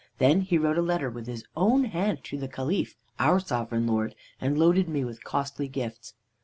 Then he wrote a letter with his own hand to the Caliph, our sovereign lord, and loaded me with costly gifts.